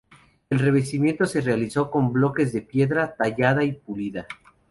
El revestimiento se realizó con bloques de piedra tallada y pulida.